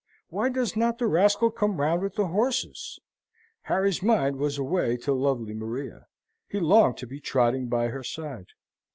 Why does not the rascal come round with the horses?" Harry's mind was away to lovely Maria. He longed to be trotting by her side.